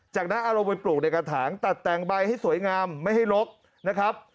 จากนั้นเอาลงไปปลูกในกระถางตัดแต่งใบให้สวยงามไม่ให้ลกนะครับ